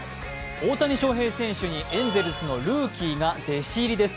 大谷翔平選手にエンゼルスのルーキーが弟子入りです。